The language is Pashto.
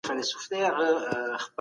بريالي هغه دي چې نېک عمل کوي.